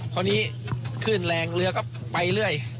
คราวนี้คลื่นแรงเรือก็ไปเรื่อย